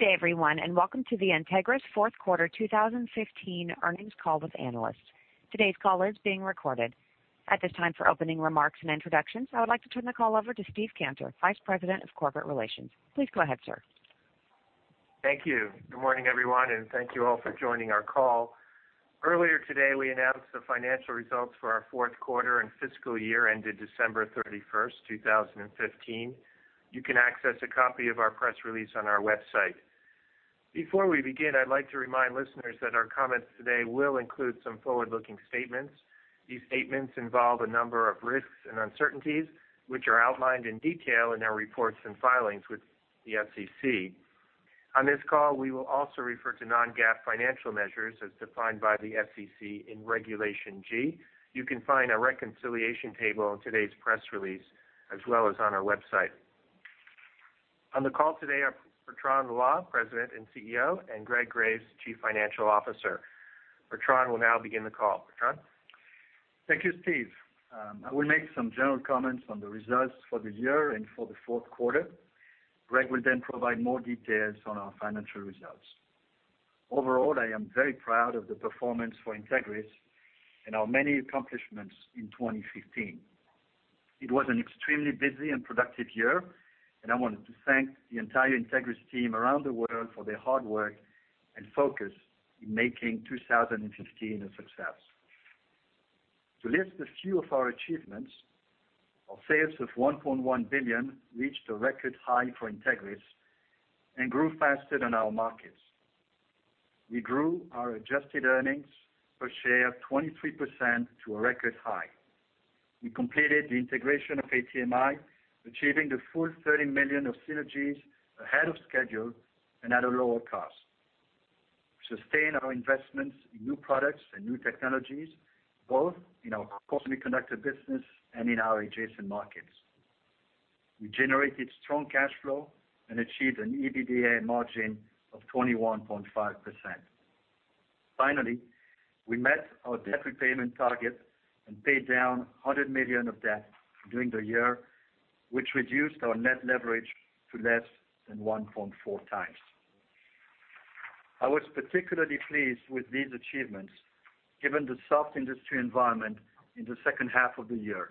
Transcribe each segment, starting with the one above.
Good day, everyone, welcome to the Entegris fourth quarter 2015 earnings call with analysts. Today's call is being recorded. At this time, for opening remarks and introductions, I would like to turn the call over to Steve Cantor, Vice President of Corporate Relations. Please go ahead, sir. Thank you. Good morning, everyone, thank you all for joining our call. Earlier today, we announced the financial results for our fourth quarter and fiscal year ended December 31st, 2015. You can access a copy of our press release on our website. Before we begin, I'd like to remind listeners that our comments today will include some forward-looking statements. These statements involve a number of risks and uncertainties, which are outlined in detail in our reports and filings with the SEC. On this call, we will also refer to non-GAAP financial measures as defined by the SEC in Regulation G. You can find a reconciliation table in today's press release, as well as on our website. On the call today are Bertrand Loy, President and CEO, and Greg Graves, Chief Financial Officer. Bertrand will now begin the call. Bertrand? Thank you, Steve. I will make some general comments on the results for the year and for the fourth quarter. Greg will provide more details on our financial results. Overall, I am very proud of the performance for Entegris and our many accomplishments in 2015. It was an extremely busy and productive year, I wanted to thank the entire Entegris team around the world for their hard work and focus in making 2015 a success. To list a few of our achievements, our sales of $1.1 billion reached a record high for Entegris grew faster than our markets. We grew our adjusted earnings per share 23% to a record high. We completed the integration of ATMI, achieving the full $30 million of synergies ahead of schedule at a lower cost. We sustained our investments in new products and new technologies, both in our core semiconductor business and in our adjacent markets. We generated strong cash flow achieved an EBITDA margin of 21.5%. Finally, we met our debt repayment target paid down $100 million of debt during the year, which reduced our net leverage to less than 1.4 times. I was particularly pleased with these achievements, given the soft industry environment in the second half of the year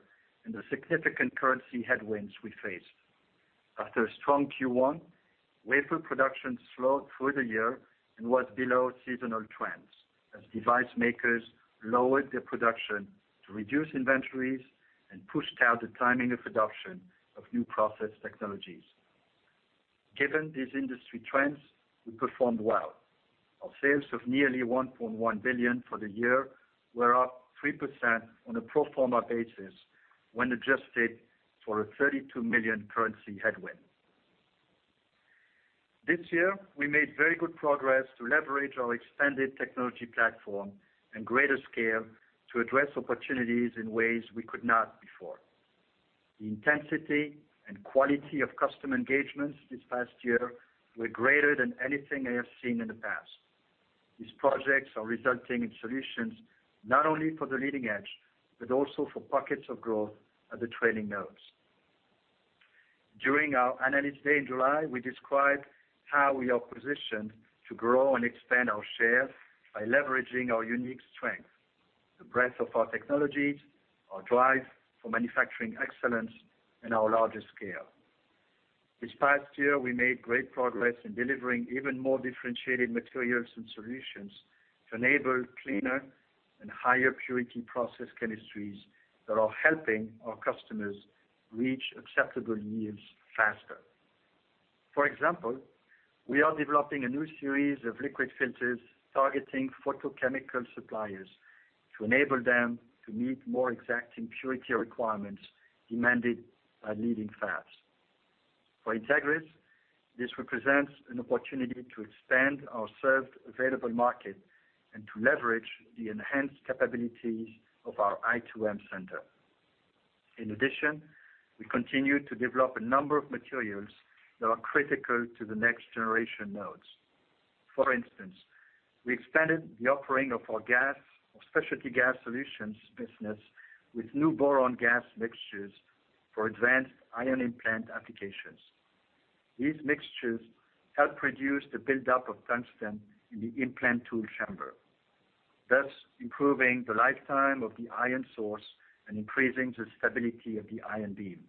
the significant currency headwinds we faced. After a strong Q1, wafer production slowed through the year was below seasonal trends as device makers lowered their production to reduce inventories pushed out the timing of adoption of new process technologies. Given these industry trends, we performed well. Our sales of nearly $1.1 billion for the year were up 3% on a pro forma basis when adjusted for a $32 million currency headwind. This year, we made very good progress to leverage our expanded technology platform and greater scale to address opportunities in ways we could not before. The intensity and quality of customer engagements this past year were greater than anything I have seen in the past. These projects are resulting in solutions not only for the leading edge, but also for pockets of growth at the trailing nodes. During our Analyst Day in July, we described how we are positioned to grow and expand our share by leveraging our unique strengths, the breadth of our technologies, our drive for manufacturing excellence, and our larger scale. This past year, we made great progress in delivering even more differentiated materials and solutions to enable cleaner and higher purity process chemistries that are helping our customers reach acceptable yields faster. For example, we are developing a new series of liquid filters targeting photochemical suppliers to enable them to meet more exact impurity requirements demanded by leading fabs. For Entegris, this represents an opportunity to expand our served available market and to leverage the enhanced capabilities of our i2M center. In addition, we continue to develop a number of materials that are critical to the next-generation nodes. For instance, we expanded the offering of our gas, our specialty gas solutions business with new boron gas mixtures for advanced ion implant applications. These mixtures help reduce the buildup of tungsten in the implant tool chamber, thus improving the lifetime of the ion source and increasing the stability of the ion beam.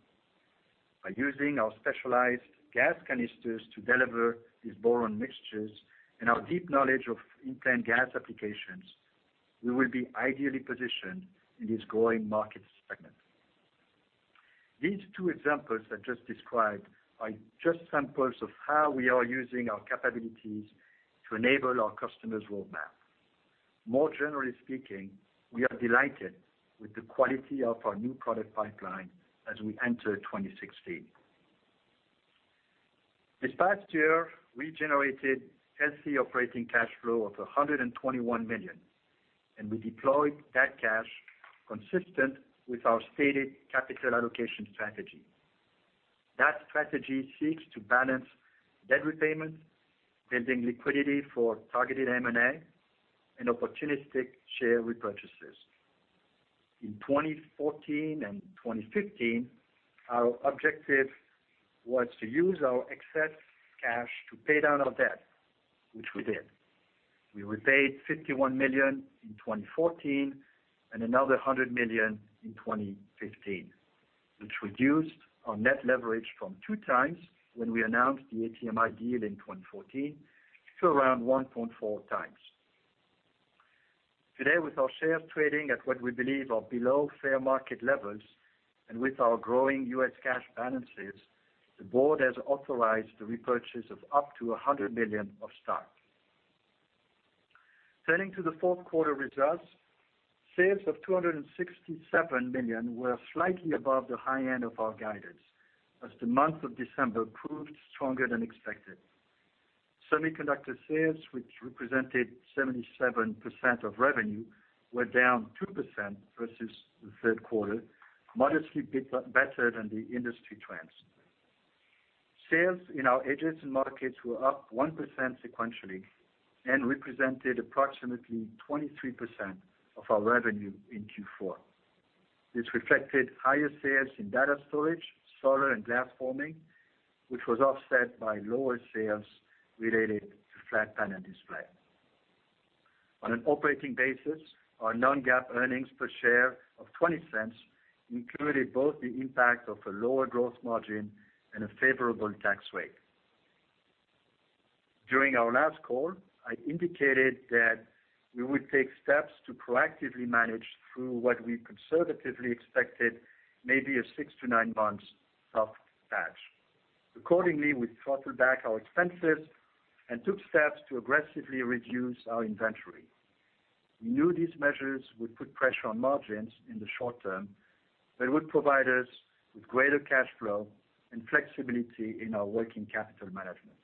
By using our specialized gas canisters to deliver these boron mixtures and our deep knowledge of implant gas applications, we will be ideally positioned in this growing market segment. These two examples I just described are just samples of how we are using our capabilities to enable our customers' roadmap. More generally speaking, we are delighted with the quality of our new product pipeline as we enter 2016. This past year, we generated healthy operating cash flow of $121 million. We deployed that cash consistent with our stated capital allocation strategy. That strategy seeks to balance debt repayment, building liquidity for targeted M&A, and opportunistic share repurchases. In 2014 and 2015, our objective was to use our excess cash to pay down our debt, which we did. We repaid $51 million in 2014 and another $100 million in 2015, which reduced our net leverage from two times when we announced the ATMI deal in 2014 to around 1.4 times. Today with our shares trading at what we believe are below fair market levels, with our growing U.S. cash balances, the board has authorized the repurchase of up to $100 million of stock. Turning to the fourth quarter results, sales of $267 million were slightly above the high end of our guidance. The month of December proved stronger than expected. Semiconductor sales, which represented 77% of revenue, were down 2% versus the third quarter, modestly better than the industry trends. Sales in our adjacent markets were up 1% sequentially and represented approximately 23% of our revenue in Q4. This reflected higher sales in data storage, solar, and glass forming, which was offset by lower sales related to flat panel display. On an operating basis, our non-GAAP earnings per share of $0.20 included both the impact of a lower gross margin and a favorable tax rate. During our last call, I indicated that we would take steps to proactively manage through what we conservatively expected may be a six to nine months soft patch. Accordingly, we throttled back our expenses and took steps to aggressively reduce our inventory. We knew these measures would put pressure on margins in the short term, but would provide us with greater cash flow and flexibility in our working capital management.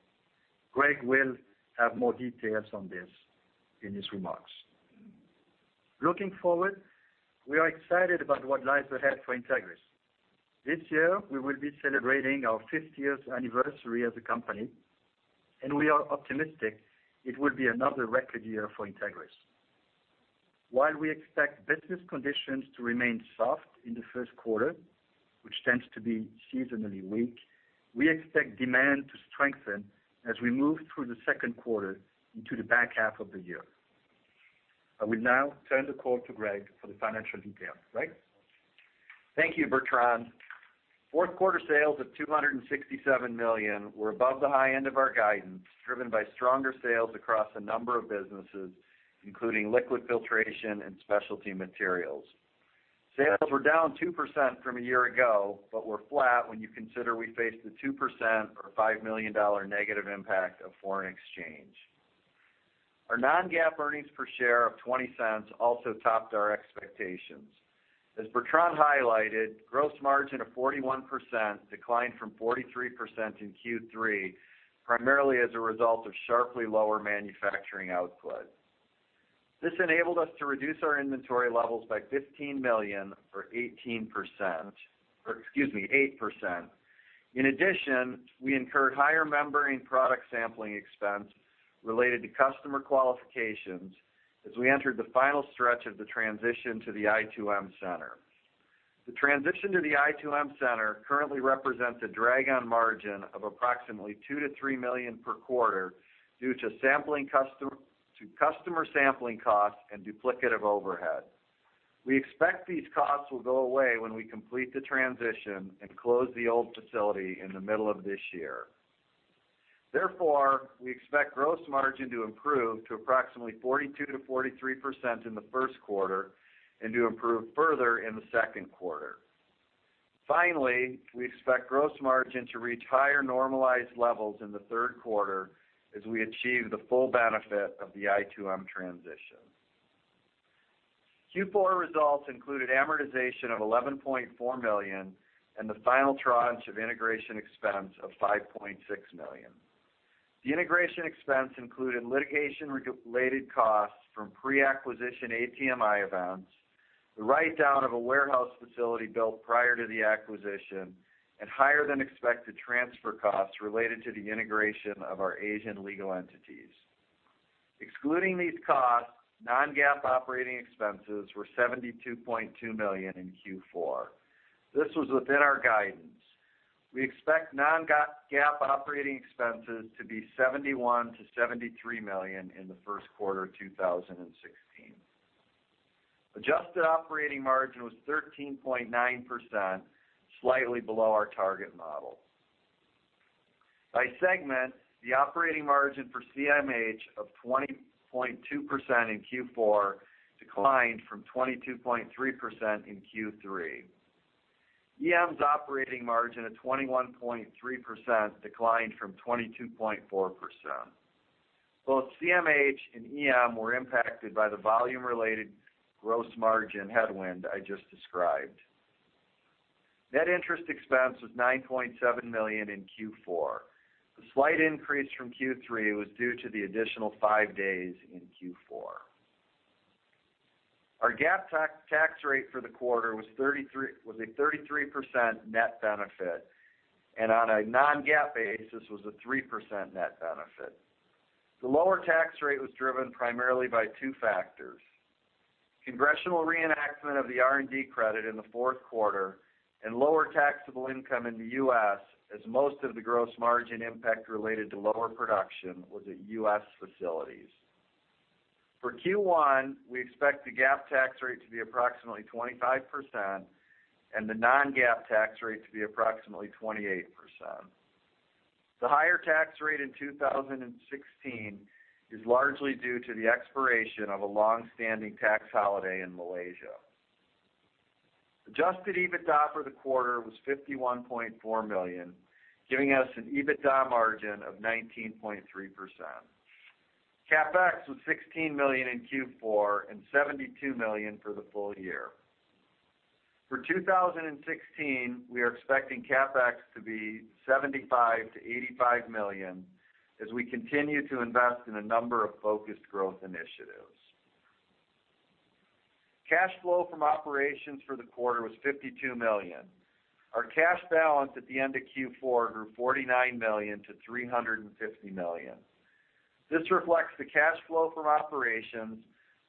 Greg will have more details on this in his remarks. Looking forward, we are excited about what lies ahead for Entegris. This year, we will be celebrating our fifth year anniversary as a company, and we are optimistic it will be another record year for Entegris. While we expect business conditions to remain soft in the first quarter, which tends to be seasonally weak, we expect demand to strengthen as we move through the second quarter into the back half of the year. I will now turn the call to Greg for the financial details. Greg? Thank you, Bertrand. Fourth quarter sales of $267 million were above the high end of our guidance, driven by stronger sales across a number of businesses, including liquid filtration and specialty materials. Sales were down 2% from a year ago, but were flat when you consider we faced a 2% or $5 million negative impact of foreign exchange. Our non-GAAP earnings per share of $0.20 also topped our expectations. As Bertrand highlighted, gross margin of 41% declined from 43% in Q3, primarily as a result of sharply lower manufacturing output. This enabled us to reduce our inventory levels by $15 million or 8%. In addition, we incurred higher membrane product sampling expense related to customer qualifications as we entered the final stretch of the transition to the i2M center. The transition to the i2M center currently represents a drag on margin of approximately $2 million-$3 million per quarter due to customer sampling costs and duplicative overhead. We expect these costs will go away when we complete the transition and close the old facility in the middle of this year. Therefore, we expect gross margin to improve to approximately 42%-43% in the first quarter and to improve further in the second quarter. Finally, we expect gross margin to reach higher normalized levels in the third quarter as we achieve the full benefit of the i2M transition. Q4 results included amortization of $11.4 million and the final tranche of integration expense of $5.6 million. The integration expense included litigation-related costs from pre-acquisition ATMI events, the write-down of a warehouse facility built prior to the acquisition, and higher than expected transfer costs related to the integration of our Asian legal entities. Excluding these costs, non-GAAP operating expenses were $72.2 million in Q4. This was within our guidance. We expect non-GAAP operating expenses to be $71 million-$73 million in the first quarter 2016. Adjusted operating margin was 13.9%, slightly below our target model. By segment, the operating margin for CMH of 20.2% in Q4 declined from 22.3% in Q3. EM's operating margin of 21.3% declined from 22.4%. Both CMH and EM were impacted by the volume-related gross margin headwind I just described. Net interest expense was $9.7 million in Q4. The slight increase from Q3 was due to the additional five days in Q4. Our GAAP tax rate for the quarter was a 33% net benefit, and on a non-GAAP basis was a 3% net benefit. The lower tax rate was driven primarily by two factors. Congressional reenactment of the R&D credit in the fourth quarter and lower taxable income in the U.S. as most of the gross margin impact related to lower production was at U.S. facilities. For Q1, we expect the GAAP tax rate to be approximately 25% and the non-GAAP tax rate to be approximately 28%. The higher tax rate in 2016 is largely due to the expiration of a longstanding tax holiday in Malaysia. Adjusted EBITDA for the quarter was $51.4 million, giving us an EBITDA margin of 19.3%. CapEx was $16 million in Q4 and $72 million for the full year. For 2016, we are expecting CapEx to be $75 million-$85 million as we continue to invest in a number of focused growth initiatives. Cash flow from operations for the quarter was $52 million. Our cash balance at the end of Q4 grew $49 million to $350 million. This reflects the cash flow from operations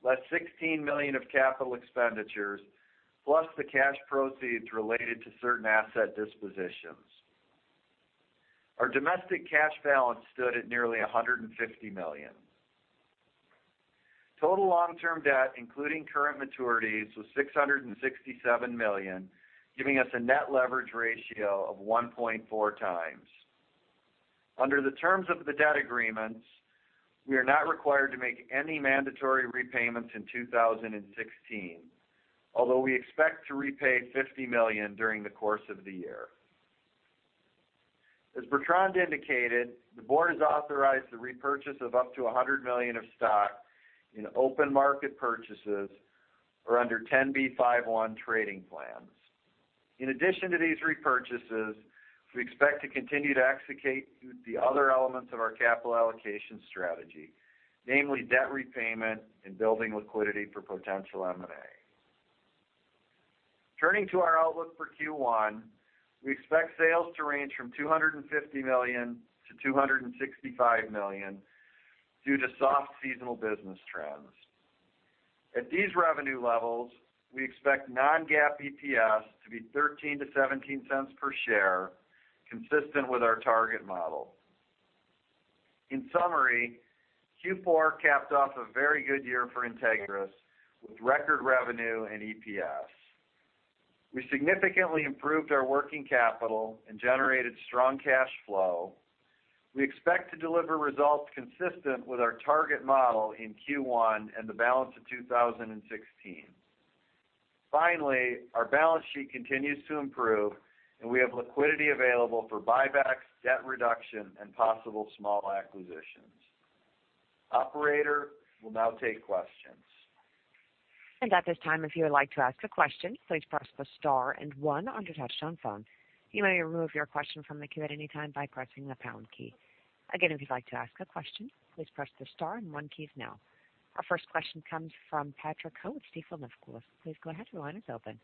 less $16 million of capital expenditures, plus the cash proceeds related to certain asset dispositions. Our domestic cash balance stood at nearly $150 million. Total long-term debt, including current maturities, was $667 million, giving us a net leverage ratio of 1.4 times. Under the terms of the debt agreements, we are not required to make any mandatory repayments in 2016, although we expect to repay $50 million during the course of the year. As Bertrand Loy indicated, the board has authorized the repurchase of up to $100 million of stock in open market purchases or under Rule 10b5-1 trading plans. In addition to these repurchases, we expect to continue to execute the other elements of our capital allocation strategy, namely debt repayment and building liquidity for potential M&A. Turning to our outlook for Q1, we expect sales to range from $250 million-$265 million due to soft seasonal business trends. At these revenue levels, we expect non-GAAP EPS to be $0.13-$0.17 per share, consistent with our target model. In summary, Q4 capped off a very good year for Entegris with record revenue and EPS. We significantly improved our working capital and generated strong cash flow. We expect to deliver results consistent with our target model in Q1 and the balance of 2016. Finally, our balance sheet continues to improve, and we have liquidity available for buybacks, debt reduction, and possible small acquisitions. Operator, we'll now take questions. At this time, if you would like to ask a question, please press the star and one on your touchtone phone. You may remove your question from the queue at any time by pressing the pound key. Again, if you'd like to ask a question, please press the star and one keys now. Our first question comes from Patrick Ho with Stifel Nicolaus. Please go ahead. Your line is open.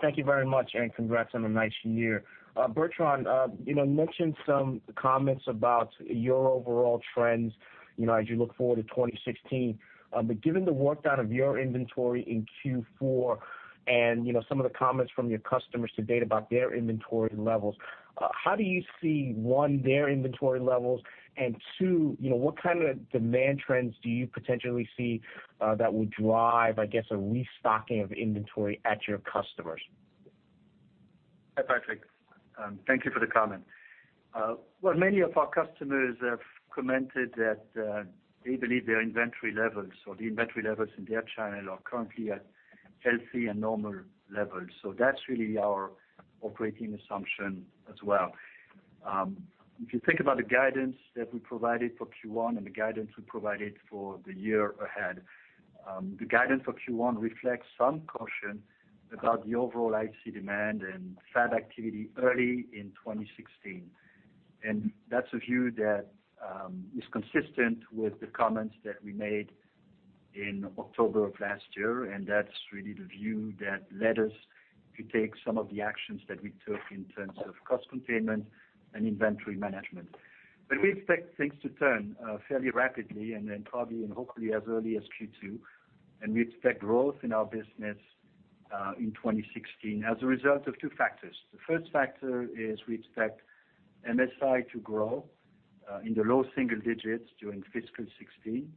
Thank you very much, and congrats on a nice year. Bertrand, you mentioned some comments about your overall trends as you look forward to 2016. Given the work done of your inventory in Q4 and some of the comments from your customers to date about their inventory levels, how do you see, one, their inventory levels and two, what kind of demand trends do you potentially see that would drive, I guess, a restocking of inventory at your customers? Hi, Patrick. Thank you for the comment. Well, many of our customers have commented that they believe their inventory levels or the inventory levels in their channel are currently at healthy and normal levels. That's really our operating assumption as well. If you think about the guidance that we provided for Q1 and the guidance we provided for the year ahead, the guidance for Q1 reflects some caution about the overall IC demand and fab activity early in 2016. That's a view that is consistent with the comments that we made in October of last year. That's really the view that led us to take some of the actions that we took in terms of cost containment and inventory management. We expect things to turn fairly rapidly and then probably and hopefully as early as Q2, and we expect growth in our business in 2016 as a result of two factors. The first factor is we expect MSI to grow in the low single digits during fiscal 2016.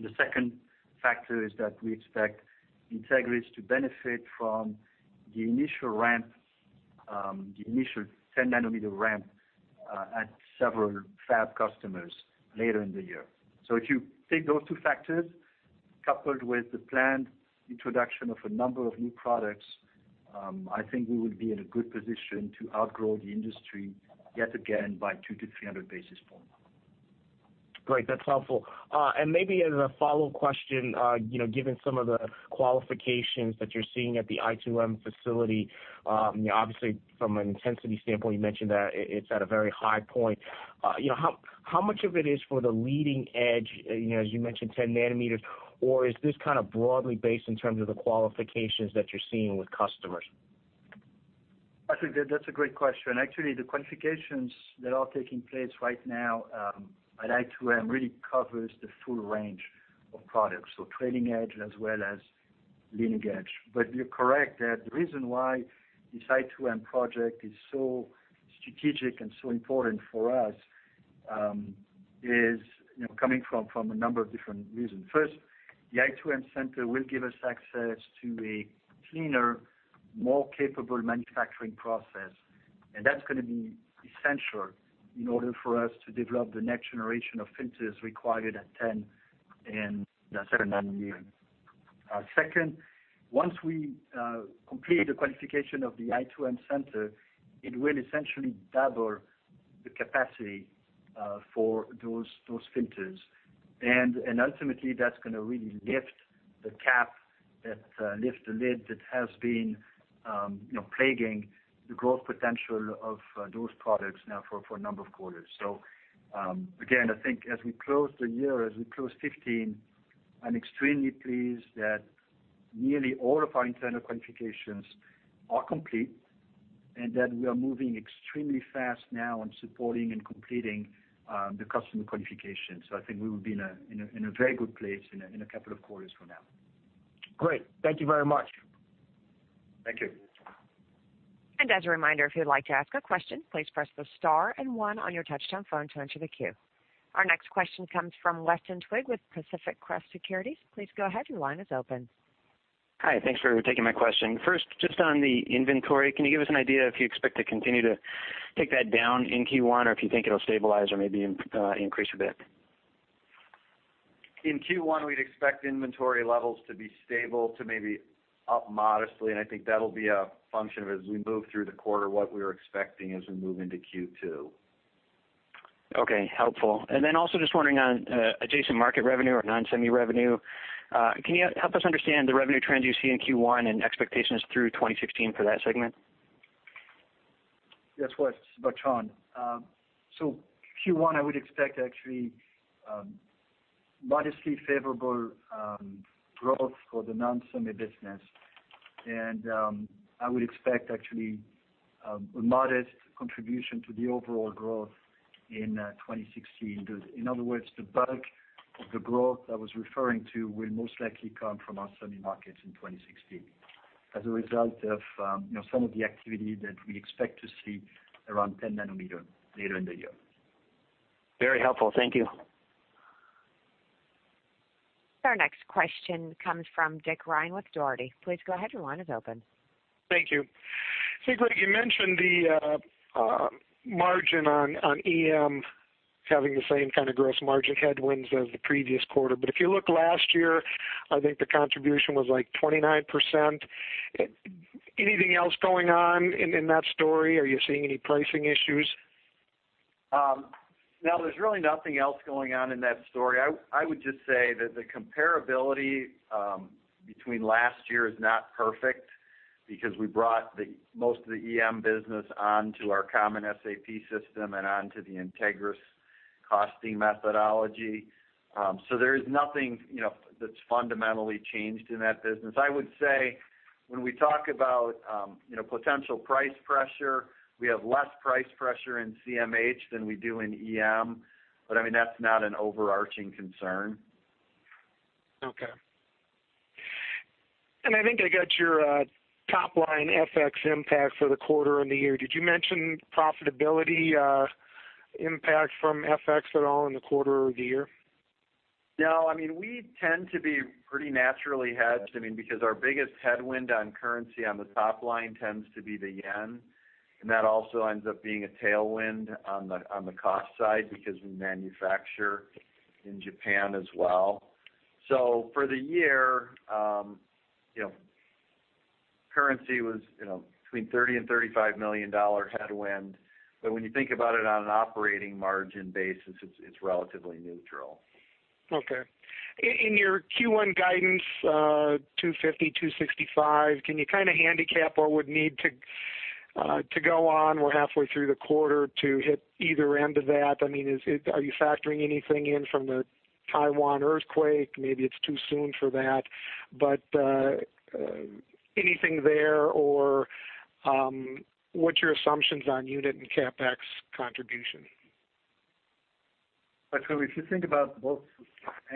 The second factor is that we expect Entegris to benefit from the initial 10-nanometer ramp at several fab customers later in the year. If you take those two factors coupled with the planned introduction of a number of new products, I think we will be in a good position to outgrow the industry yet again by 200-300 basis points. Great. That's helpful. Maybe as a follow-up question, given some of the qualifications that you're seeing at the i2M facility, obviously from an intensity standpoint, you mentioned that it's at a very high point. How much of it is for the leading edge, as you mentioned, 10 nanometers? Or is this kind of broadly based in terms of the qualifications that you're seeing with customers? Actually, that's a great question. The qualifications that are taking place right now at i2M really covers the full range of products, so trailing edge as well as leading edge. You're correct that the reason why this i2M project is so strategic and so important for us is coming from a number of different reasons. First, the i2M center will give us access to a cleaner, more capable manufacturing process, and that's going to be essential in order for us to develop the next generation of filters required at 10 in the second half of the year. Second, once we complete the qualification of the i2M center, it will essentially double the capacity for those filters. Ultimately, that's going to really lift the cap, lift the lid that has been plaguing the growth potential of those products now for a number of quarters. Again, I think as we close the year, as we close 2015, I'm extremely pleased that nearly all of our internal qualifications are complete and that we are moving extremely fast now on supporting and completing the customer qualification. I think we will be in a very good place in a couple of quarters from now. Great. Thank you very much. Thank you. As a reminder, if you'd like to ask a question, please press the star and one on your touch-tone phone to enter the queue. Our next question comes from Weston Twigg with Pacific Crest Securities. Please go ahead, your line is open. Hi, thanks for taking my question. First, just on the inventory, can you give us an idea if you expect to continue to take that down in Q1, or if you think it'll stabilize or maybe increase a bit? In Q1, we'd expect inventory levels to be stable to maybe up modestly, I think that'll be a function of as we move through the quarter, what we're expecting as we move into Q2. Okay, helpful. Then also just wondering on adjacent market revenue or non-semi revenue, can you help us understand the revenue trends you see in Q1 and expectations through 2016 for that segment? Yes, Weston, this is Bertrand Loy. Q1, I would expect actually modestly favorable growth for the non-semi business. I would expect actually a modest contribution to the overall growth in 2016. In other words, the bulk of the growth I was referring to will most likely come from our semi markets in 2016 as a result of some of the activity that we expect to see around 10 nanometer later in the year. Very helpful. Thank you. Our next question comes from Dick Ryan with Dougherty. Please go ahead, your line is open. Thank you. Hey, Greg, you mentioned the margin on EM having the same kind of gross margin headwinds as the previous quarter. If you look last year, I think the contribution was like 29%. Anything else going on in that story? Are you seeing any pricing issues? No, there's really nothing else going on in that story. I would just say that the comparability between last year is not perfect because we brought most of the EM business onto our common SAP system and onto the Entegris costing methodology. There is nothing that's fundamentally changed in that business. I would say when we talk about potential price pressure, we have less price pressure in CMH than we do in EM, I mean, that's not an overarching concern. Okay. I think I got your top-line FX impact for the quarter and the year. Did you mention profitability impact from FX at all in the quarter or the year? No. I mean, we tend to be pretty naturally hedged, I mean, because our biggest headwind on currency on the top line tends to be the yen, and that also ends up being a tailwind on the cost side because we manufacture in Japan as well. For the year, currency was between $30 million and $35 million headwind. When you think about it on an operating margin basis, it's relatively neutral. Okay. In your Q1 guidance, $250 million-$265 million, can you kind of handicap what would need to go on, we're halfway through the quarter, to hit either end of that? I mean, are you factoring anything in from the Taiwan earthquake? Maybe it's too soon for that, but anything there or what's your assumptions on unit and CapEx contribution? If you think about both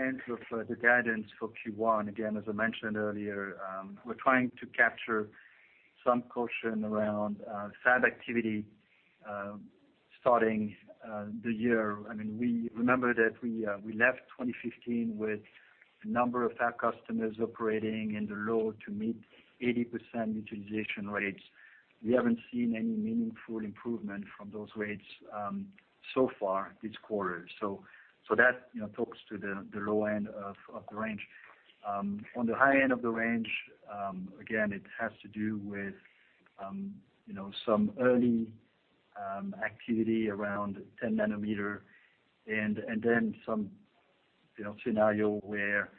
ends of the guidance for Q1, again, as I mentioned earlier, we're trying to capture some caution around fab activity starting the year. I mean, remember that we left 2015 with a number of fab customers operating in the low to mid 80% utilization rates. We haven't seen any meaningful improvement from those rates so far this quarter. That talks to the low end of the range. On the high end of the range, again, it has to do with some early activity around 10 nanometer and then some scenario where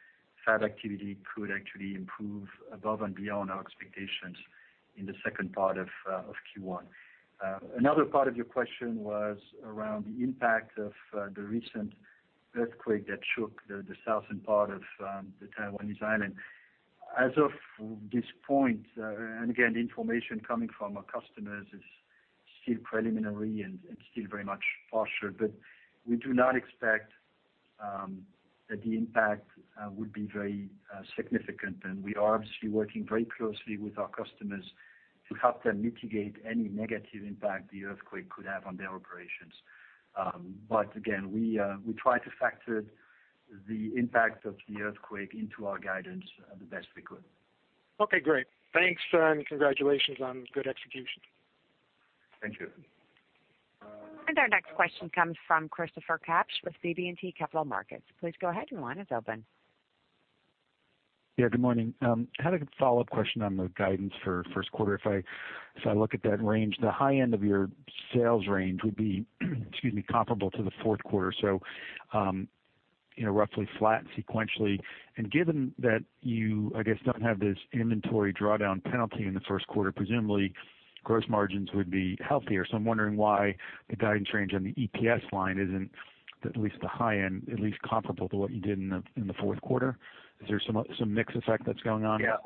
fab activity could actually improve above and beyond our expectations in the second part of Q1. Another part of your question was around the impact of the recent earthquake that shook the southern part of the Taiwanese island. As of this point, and again, the information coming from our customers is still preliminary and still very much partial, we do not expect that the impact would be very significant, and we are obviously working very closely with our customers to help them mitigate any negative impact the earthquake could have on their operations. Again, we try to factor the impact of the earthquake into our guidance the best we could. Okay, great. Thanks, and congratulations on good execution. Thank you. Our next question comes from Christopher Parkinson with BB&T Capital Markets. Please go ahead, your line is open. Yeah, good morning. I had a follow-up question on the guidance for the first quarter. If I look at that range, the high end of your sales range would be, excuse me, comparable to the fourth quarter, so roughly flat sequentially. Given that you, I guess, don't have this inventory drawdown penalty in the first quarter, presumably gross margins would be healthier. I'm wondering why the guidance range on the EPS line isn't at least the high end, at least comparable to what you did in the fourth quarter. Is there some mix effect that's going on? Yeah.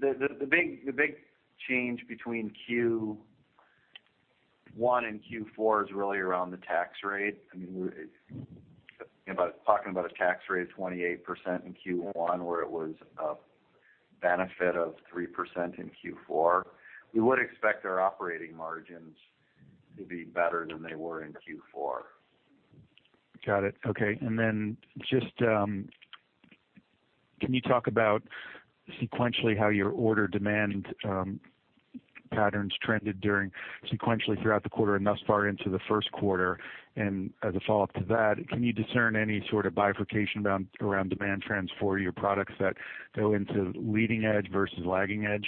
The big change between Q1 and Q4 is really around the tax rate. I mean, talking about a tax rate of 28% in Q1 where it was a benefit of 3% in Q4. We would expect our operating margins to be better than they were in Q4. Got it. Okay. Can you talk about sequentially how your order demand patterns trended sequentially throughout the quarter and thus far into the first quarter? As a follow-up to that, can you discern any sort of bifurcation around demand trends for your products that go into leading edge versus lagging edge?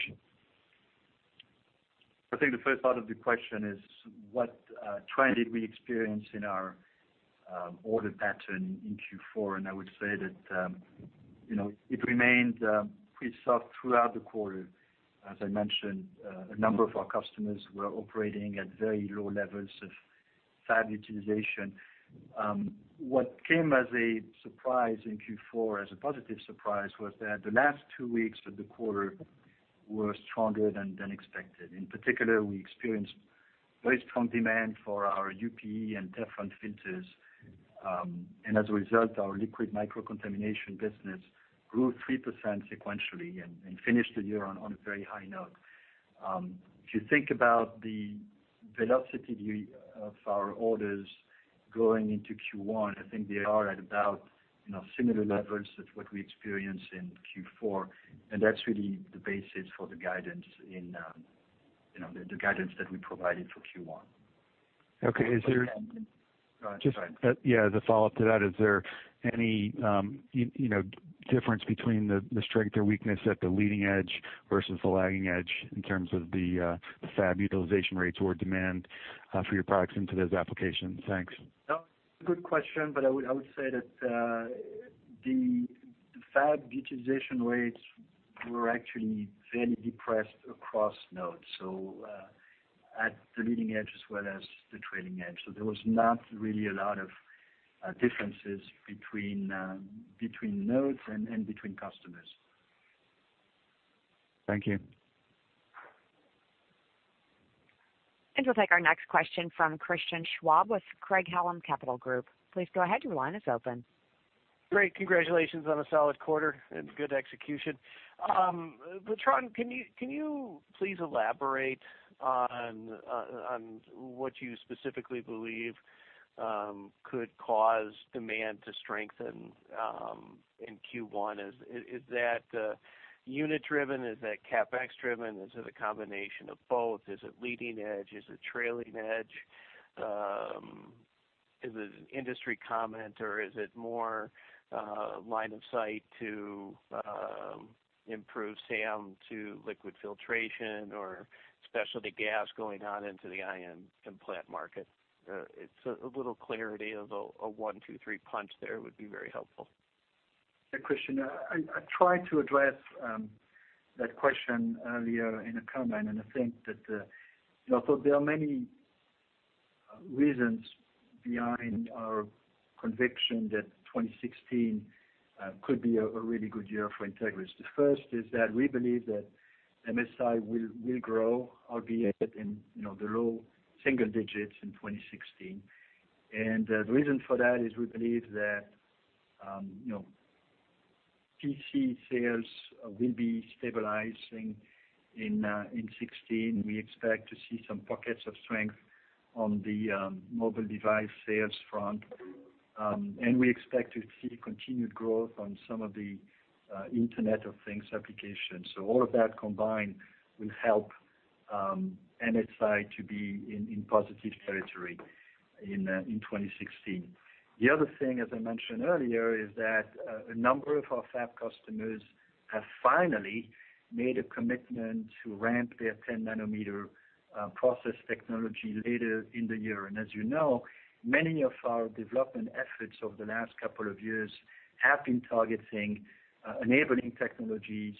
I think the first part of the question is what trend did we experience in our order pattern in Q4, and I would say that it remained pretty soft throughout the quarter. As I mentioned, a number of our customers were operating at very low levels of fab utilization. What came as a surprise in Q4, as a positive surprise, was that the last two weeks of the quarter were stronger than expected. In particular, we experienced very strong demand for our UPE and Teflon filters. As a result, our liquid microcontamination business grew 3% sequentially and finished the year on a very high note. If you think about the velocity of our orders going into Q1, I think they are at about similar levels as what we experienced in Q4, and that's really the basis for the guidance that we provided for Q1. Okay. Go ahead. I'm sorry. Yeah, as a follow-up to that, is there any difference between the strength or weakness at the leading edge versus the lagging edge in terms of the fab utilization rates or demand for your products into those applications? Thanks. No, it's a good question, I would say that the fab utilization rates were actually fairly depressed across nodes, at the leading edge as well as the trailing edge. There was not really a lot of differences between nodes and between customers. Thank you. We'll take our next question from Christian Schwab with Craig-Hallum Capital Group. Please go ahead, your line is open. Great. Congratulations on a solid quarter and good execution. Bertrand, can you please elaborate on what you specifically believe could cause demand to strengthen in Q1? Is that unit driven? Is that CapEx driven? Is it a combination of both? Is it leading edge? Is it trailing edge? Is it an industry comment, or is it more line of sight to improve SAM to liquid filtration or specialty gas going on into the ion implant market? A little clarity of a one, two, three punch there would be very helpful. Yeah, Christian. I tried to address that question earlier in a comment, I think that there are many reasons behind our conviction that 2016 could be a really good year for Entegris. The first is that we believe that MSI will grow, albeit in the low single digits in 2016. The reason for that is we believe that PC sales will be stabilizing in 2016. We expect to see some pockets of strength on the mobile device sales front. We expect to see continued growth on some of the Internet of Things applications. All of that combined will help MSI to be in positive territory in 2016. The other thing, as I mentioned earlier, is that a number of our fab customers have finally made a commitment to ramp their 10 nanometer process technology later in the year. As you know, many of our development efforts over the last couple of years have been targeting enabling technologies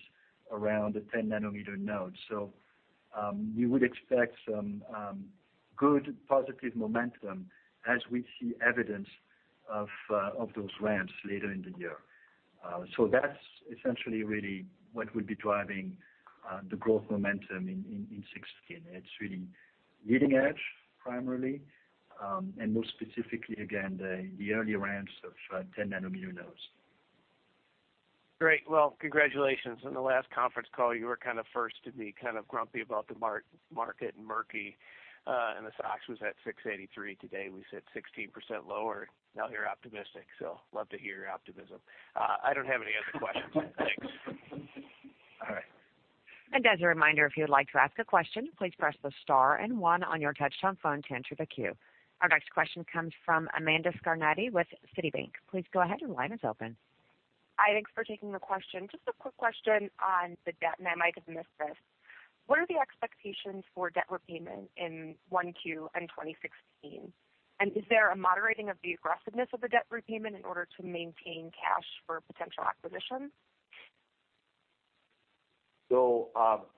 Around the 10 nanometer node. We would expect some good positive momentum as we see evidence of those ramps later in the year. That's essentially really what would be driving the growth momentum in 2016. It's really leading edge primarily, and more specifically, again, the early ramps of 10 nanometer nodes. Great. Well, congratulations. In the last conference call, you were first to be grumpy about the market and murky, and the SOX was at 683. Today, we sit 16% lower. You're optimistic. Love to hear your optimism. I don't have any other questions. Thanks. All right. As a reminder, if you'd like to ask a question, please press the star and one on your touchtone phone to enter the queue. Our next question comes from Amanda Scarnati with Citi. Please go ahead. Your line is open. Hi. Thanks for taking the question. Just a quick question on the debt. I might have missed this. What are the expectations for debt repayment in 1Q and 2016? Is there a moderating of the aggressiveness of the debt repayment in order to maintain cash for potential acquisitions?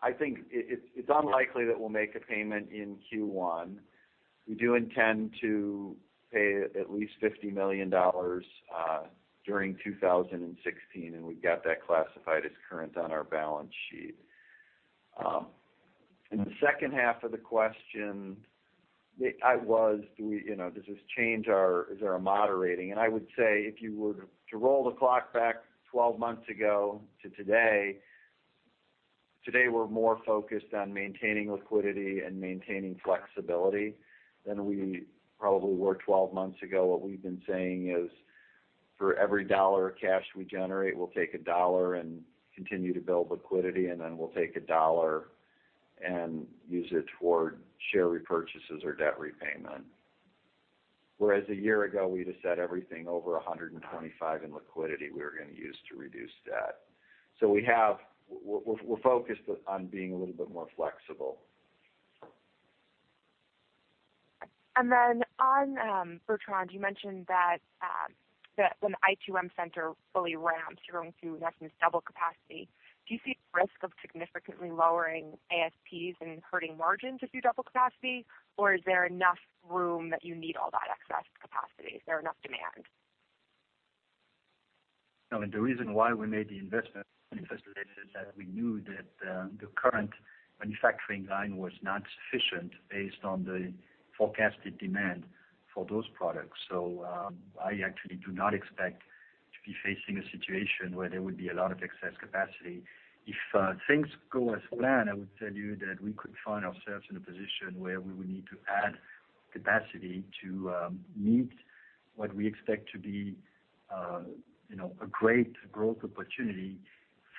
I think it's unlikely that we'll make a payment in Q1. We do intend to pay at least $50 million during 2016, and we've got that classified as current on our balance sheet. In the second half of the question, is there a moderating? I would say, if you were to roll the clock back 12 months ago to today we're more focused on maintaining liquidity and maintaining flexibility than we probably were 12 months ago. What we've been saying is, for every dollar of cash we generate, we'll take a dollar and continue to build liquidity, then we'll take a dollar and use it toward share repurchases or debt repayment. Whereas a year ago, we'd have said everything over $125 in liquidity we were gonna use to reduce debt. We're focused on being a little bit more flexible. Bertrand, you mentioned that when the i2M center fully ramps, you're going to have some double capacity. Do you see risk of significantly lowering ASPs and hurting margins if you double capacity, or is there enough room that you need all that excess capacity? Is there enough demand? No, the reason why we made the investment in the first place is that we knew that the current manufacturing line was not sufficient based on the forecasted demand for those products. I actually do not expect to be facing a situation where there would be a lot of excess capacity. If things go as planned, I would tell you that we could find ourselves in a position where we would need to add capacity to meet what we expect to be a great growth opportunity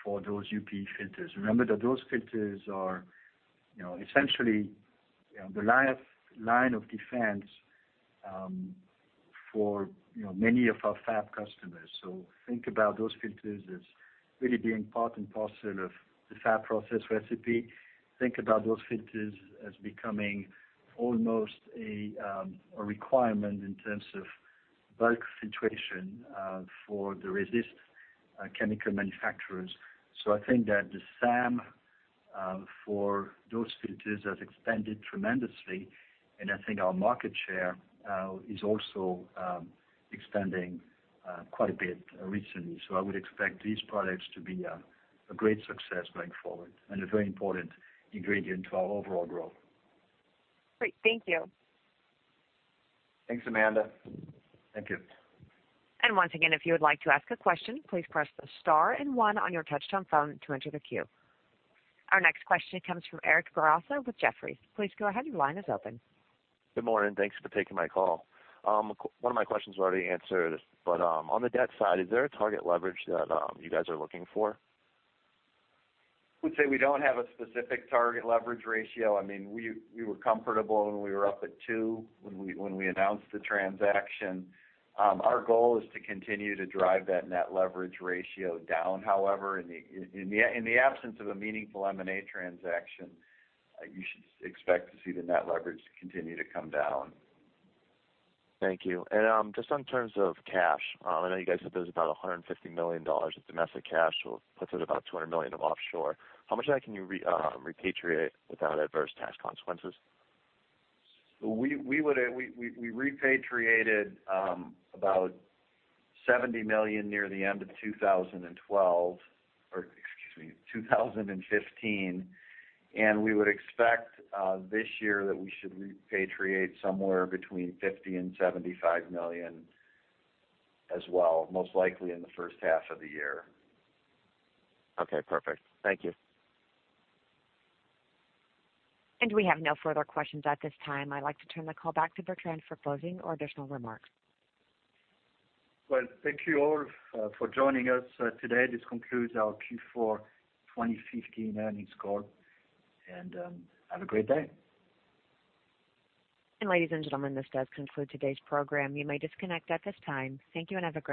for those UPE filters. Remember that those filters are essentially the line of defense for many of our fab customers. Think about those filters as really being part and parcel of the fab process recipe. Think about those filters as becoming almost a requirement in terms of bulk situation for the resist chemical manufacturers. I think that the SAM for those filters has expanded tremendously, I think our market share is also expanding quite a bit recently. I would expect these products to be a great success going forward and a very important ingredient to our overall growth. Great. Thank you. Thanks, Amanda. Thank you. Once again, if you would like to ask a question, please press the star and one on your touchtone phone to enter the queue. Our next question comes from Eric Bourassa with Jefferies. Please go ahead. Your line is open. Good morning. Thanks for taking my call. One of my questions was already answered. On the debt side, is there a target leverage that you guys are looking for? I would say we don't have a specific target leverage ratio. We were comfortable when we were up at two, when we announced the transaction. Our goal is to continue to drive that net leverage ratio down, however. In the absence of a meaningful M&A transaction, you should expect to see the net leverage continue to come down. Thank you. Just on terms of cash, I know you guys said there's about $150 million of domestic cash. Puts it about $200 million of offshore. How much of that can you repatriate without adverse tax consequences? We repatriated about $70 million near the end of 2012, or excuse me, 2015. We would expect this year that we should repatriate somewhere between $50 million and $75 million as well, most likely in the first half of the year. Okay, perfect. Thank you. We have no further questions at this time. I'd like to turn the call back to Bertrand for closing or additional remarks. Well, thank you all for joining us today. This concludes our Q4 2015 earnings call. Have a great day. Ladies and gentlemen, this does conclude today's program. You may disconnect at this time. Thank you, and have a great day.